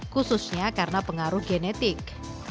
khususnya karena pengaruh genetik